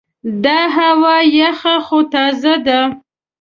دا هوا یخه خو تازه ده.